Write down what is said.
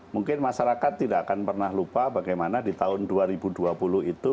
mungkin masyarakat tidak akan pernah lupa bagaimana di tahun dua ribu dua puluh itu